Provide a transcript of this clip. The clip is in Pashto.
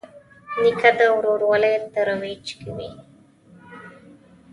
نیکه د ورورولۍ ترویج کوي.